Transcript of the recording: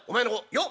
よっ